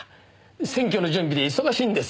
選挙の準備で忙しいんです。